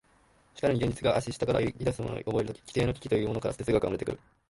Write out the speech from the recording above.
しかるに現実が足下から揺ぎ出すのを覚えるとき、基底の危機というものから哲学は生まれてくる。